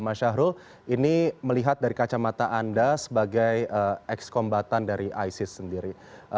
mas syahrul ini melihat dari kacamata anda sebagai ex kombatan dari isis sendiri